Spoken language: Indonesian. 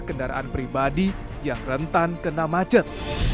kendaraan pribadi yang rentan kena macet